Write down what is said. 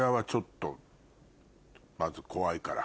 まず怖いから。